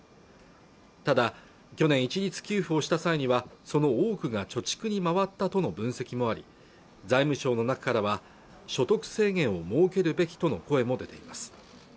ただ去年一律給付をした際にはその多くが貯蓄に回ったとの分析もあり財務省の中からは所得制限を設けるべきとの声も出ています